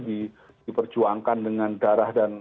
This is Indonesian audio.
diperjuangkan dengan darah dan